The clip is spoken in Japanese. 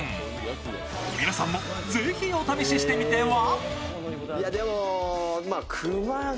皆さんもぜひお試ししてみては。